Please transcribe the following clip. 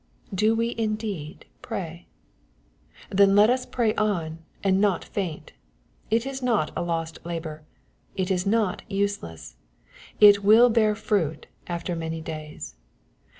Do we indeed pray ? Then let us pray on, and not faint. It is not lost labor. It is not useless. It will bear fruit after many days.